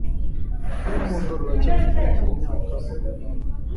Urukundo ruracyafite imyaka makumyabiri